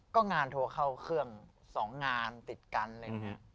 ก็งานโทเข้าเครื่อง๒งานติดกันเลย